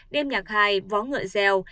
đêm nhạc hai vó ngựa gieo